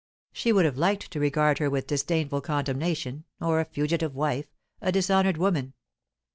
She would have liked to regard her with disdainful condemnation, or a fugitive wife, a dishonoured woman.